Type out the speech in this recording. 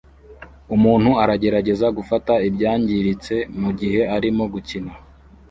Umuntu aragerageza gufata ibyangiritse mugihe arimo gukina